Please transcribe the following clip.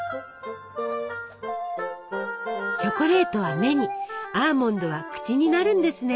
チョコレートは目にアーモンドは口になるんですね。